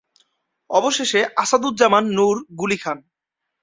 অবশেষে আসাদুজ্জামান নূর গুলি খান।